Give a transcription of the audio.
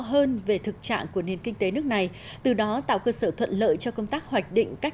hơn về thực trạng của nền kinh tế nước này từ đó tạo cơ sở thuận lợi cho công tác hoạch định các